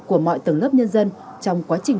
của mọi tầng lớp nhân dân trong quá trình